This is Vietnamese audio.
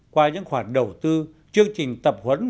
qua những khoản đầu tư chương trình tập huấn